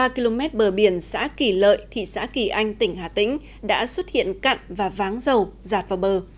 ba km bờ biển xã kỳ lợi thị xã kỳ anh tỉnh hà tĩnh đã xuất hiện cặn và váng dầu giạt vào bờ